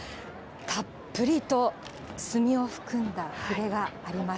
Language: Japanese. たっぷりと墨を含んだ筆があります。